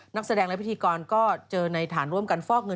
นักแสดงและพิธีกรก็เจอในฐานร่วมกันฟอกเงิน